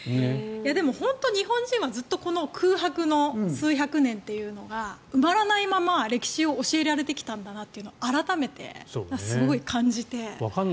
でも、本当に日本人はこの空白の数百年というのが埋まらないまま、歴史を教えられてきたんだなというのを改めてすごい感じて。